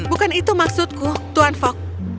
bukan itu maksudku tuan fok